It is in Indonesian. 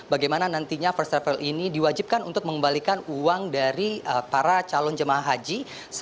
bagaimana nantinya first travel ini diwajibkan untuk mengembalikan uang dari para calon jemaah haji